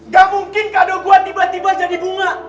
gak mungkin kado buat tiba tiba jadi bunga